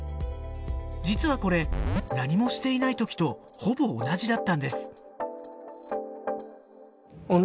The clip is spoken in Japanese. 実はこれ何もしていない時とほぼ同じだったんです。